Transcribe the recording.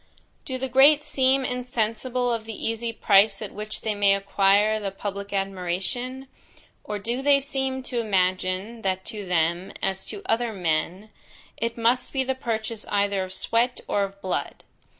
"Do the great seem insensible of the easy price at which they may acquire the public admiration? or do they seem to imagine, that to them, as to other men, it must be the purchase either of sweat or of blood?